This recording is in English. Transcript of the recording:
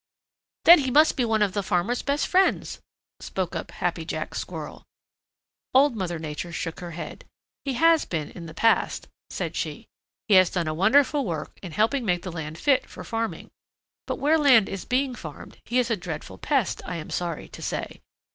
"Then he must be one of the farmer's best friends," spoke up Happy Jack Squirrel. Old Mother Nature shook her head. "He has been in the past," said she. "He has done a wonderful work in helping make the land fit for farming. But where land is being farmed he is a dreadful pest, I am sorry to say.